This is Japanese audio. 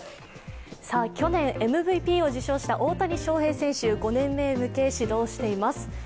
去年、ＭＶＰを受賞した大谷翔平選手、５年目へ向け、始動しています。